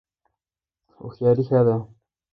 هوښیاري ښه ده.